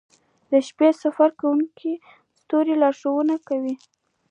• د شپې سفر کوونکي ستوري لارښونه کوي.